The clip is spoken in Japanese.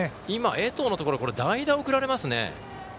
江藤のところ代打が送られますね。